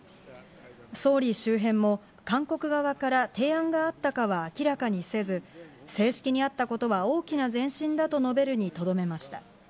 総理周辺も、韓国側から提案があったかは明らかにせず、正式に会ったことは大きな前進だと述べるにとどめました。